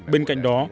bên cạnh đó